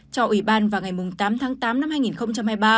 cho ủy ban vào ngày tám tháng tám năm hai nghìn hai mươi ba